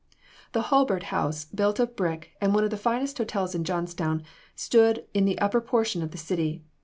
The Hulbert House, built of brick, and one of the finest hotels in Johnstown, stood in the upper portion of the city.